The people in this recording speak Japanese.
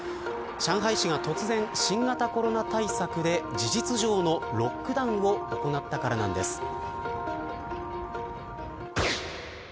上海市が突然、新型コロナ対策で事実上のロックダウンを行ったからなんです。